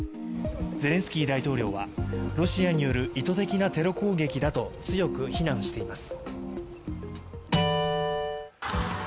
ゼレンスキー大統領は、ロシアによる意図的なテロ攻撃だと強く非難しています。